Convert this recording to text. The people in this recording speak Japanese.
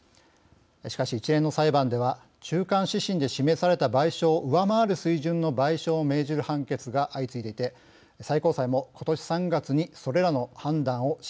しかし一連の裁判では中間指針で示された賠償を上回る水準の賠償を命じる判決が相次いでいて最高裁もことし３月にそれらの判断を支持しました。